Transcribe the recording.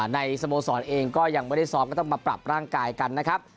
สโมสรเองก็ยังไม่ได้ซ้อมก็ต้องมาปรับร่างกายกันนะครับ